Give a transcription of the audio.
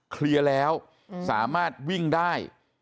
เคลียร์แล้วสามารถวิ่งได้